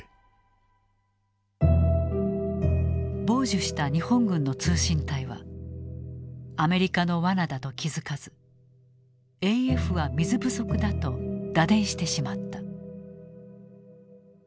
傍受した日本軍の通信隊はアメリカのわなだと気付かずＡＦは水不足だと打電してしまった。